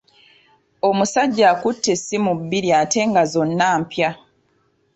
Omusajja akutte essimu bbiri ate nga zonna mpya.